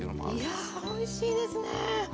いやおいしいですね。